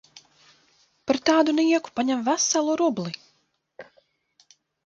Par tādu nieku paņem veselu rubli!